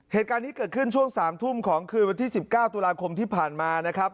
เหตุการณ์นี้เกิดขึ้นช่วง๓ทุ่มของคืนวันที่๑๙ตุลาคมที่ผ่านมานะครับ